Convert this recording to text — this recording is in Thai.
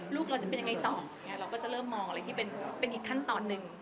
ลูกเราจะเป็นอย่างไรต่อเราก็เริ่มมองอีกขั้นตะวันต่อนึง